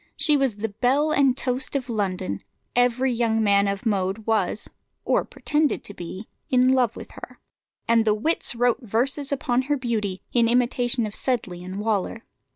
She was the belle and toast of London; every young man of mode was, or pretended to be, in love with her; and the wits wrote verses upon her beauty, in imitation of Sedley and Waller.